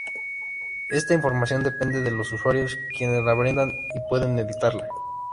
Esta información depende de los usuarios, quienes la brindan y pueden editarla.